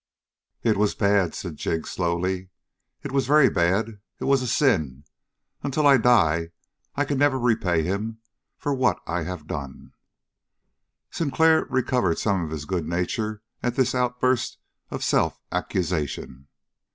"It was bad," said Jig slowly. "It was very bad it was a sin. Until I die I can never repay him for what I have done." Sinclair recovered some of his good nature at this outburst of self accusation.